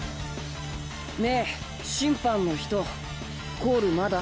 ねぇ審判の人コールまだ？